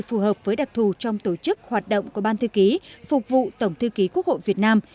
phù hợp với đặc thù trong tổ chức hoạt động của ban thư ký phục vụ tổng thư ký quốc hội việt nam